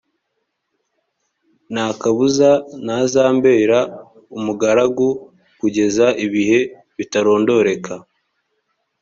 nta kabuza nazambera umugaragu kugeza ibihe bitarondoreka